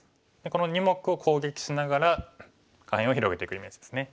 この２目を攻撃しながら下辺を広げていくイメージですね。